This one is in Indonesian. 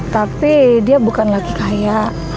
tapi dia bukan lagi kaya